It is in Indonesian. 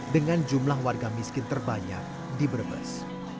dengan jumlah warga miskin terbanyak di brebes